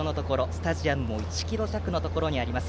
スタジアムも１ｋｍ弱のところにあります。